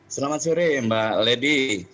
selamat sore mbak lady